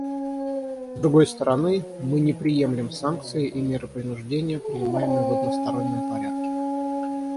С другой стороны, мы не приемлем санкции и меры принуждения, принимаемые в одностороннем порядке.